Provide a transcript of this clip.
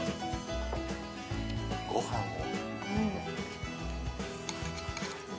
ご飯を。